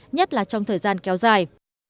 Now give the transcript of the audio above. nhất là trong thời gian kéo dài